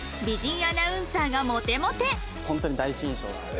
ホントに第一印象なので。